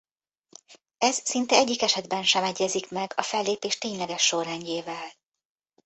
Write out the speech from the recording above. Ez szinte egyik esetben sem egyezik meg a fellépés tényleges sorrendjével.